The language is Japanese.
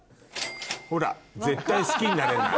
ほら絶対好きになれない。